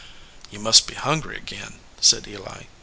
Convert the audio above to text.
"You must be hungry ag in," said Eli.